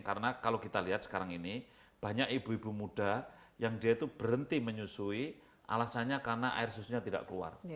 karena kalau kita lihat sekarang ini banyak ibu ibu muda yang dia itu berhenti menyusui alasannya karena air susunya tidak keluar